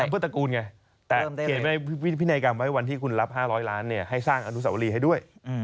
เพื่อตระกูลไงแต่เขียนไว้พินัยกรรมไว้วันที่คุณรับ๕๐๐ล้านให้สร้างอนุสาวรีให้ด้วย